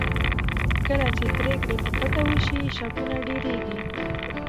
کله چې پرېکړې په پټه وشي شکونه ډېرېږي